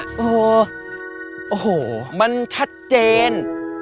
อ่าโหเหมือนชัดเจน